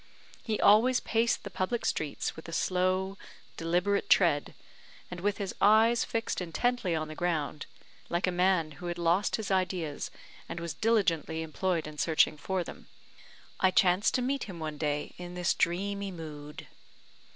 He always paced the public streets with a slow, deliberate tread, and with his eyes fixed intently on the ground like a man who had lost his ideas, and was diligently employed in searching for them. I chanced to meet him one day in this dreamy mood.